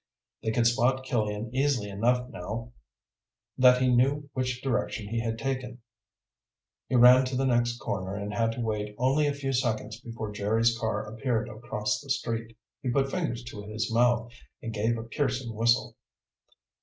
They could spot Killian easily enough now that he knew which direction he had taken. He ran to the next corner and had to wait only a few seconds before Jerry's car appeared across the street. He put fingers to his mouth and gave a piercing whistle.